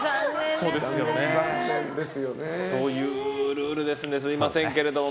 そういうルールですのですみませんけれども。